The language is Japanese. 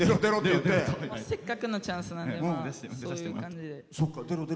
せっかくのチャンスなのでという感じで。